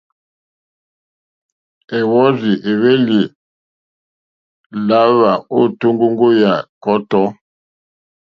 Èwɔ́rzì èhwélì lǎhwà ô tóŋgóŋgó yà kɔ́tɔ́.